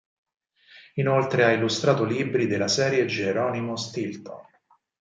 Inoltre ha illustrato libri della serie Geronimo Stilton.